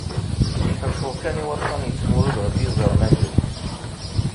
Ttḥulfuɣ kan i waṭṭan yettmurud ɣef yiẓerman-iw.